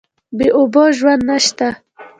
بې اوبو ژوند نشته.